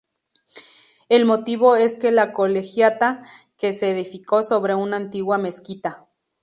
El motivo es que la Colegiata que se edificó sobre una antigua mezquita.